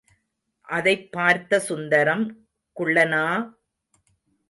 அதைப் பார்த்த சுந்தரம், குள்ளனா!